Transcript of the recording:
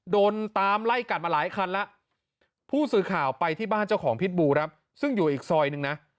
โดนตามไล่กัดมาหลายคันแล้วผู้สื่อข่าวไปที่บ้านเจ้าของพิษบูครับซึ่งอยู่อีกซอยหนึ่งนะ